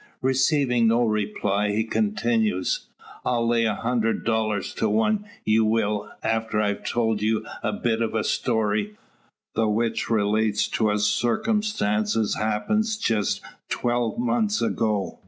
Receiving no reply, he continues, "I'll lay a hundred dollars to one, ye will, after I've told ye a bit o' a story, the which relates to a circumstance as happened jest twelve months ago.